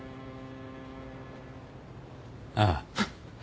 ああ。